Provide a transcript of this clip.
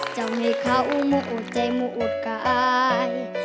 เจ้าให้เขามุตต์ใจมุตต์กาย